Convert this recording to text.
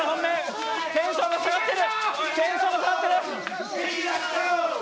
テンションが下がってる。